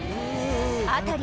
辺り